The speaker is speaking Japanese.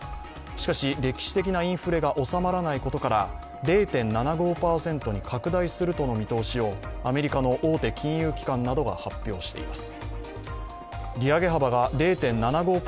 しかし、歴史的なインフレが収まらないことから０．７５％に拡大するとの見通しをアメリカの大手金融機関などが発表しています。